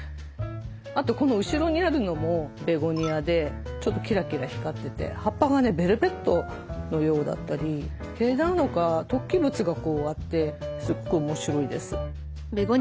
あとこの後ろにあるのもベゴニアでちょっとキラキラ光ってて葉っぱがねベルベットのようだったり毛なのか突起物がこうあってすごく面白いです。